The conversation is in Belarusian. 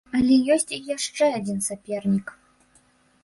Але ёсць і яшчэ адзін сапернік.